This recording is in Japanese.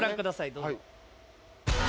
どうぞ。